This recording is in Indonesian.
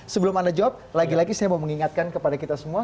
sebelum anda jawab lagi lagi saya mau mengingatkan kepada kita semua